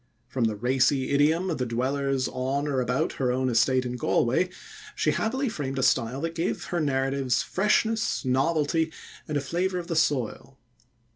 From the racy idiom of the dwellers on or about her own estate in Galway, she happily framed a style that gave her narratives freshness, novelty, and a flavor of the soil.